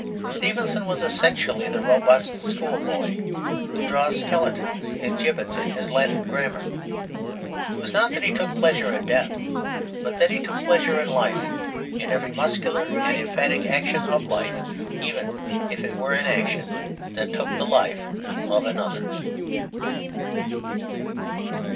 Stevenson was essentially the robust schoolboy who draws skeletons and gibbets in his Latin grammar. It was not that he took pleasure in death, but that he took pleasure in life, in every muscular and emphatic action of life, even if it were an action that took the life of another.